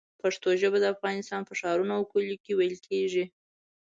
پښتو ژبه د افغانستان په ښارونو او کلیو کې ویل کېږي.